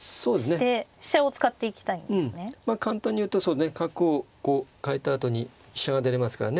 簡単に言うとそうね角をこう換えたあとに飛車が出れますからね。